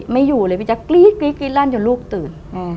ไม่อยู่เลยพี่แจ๊กกรี๊ดลั่นจนลูกตื่น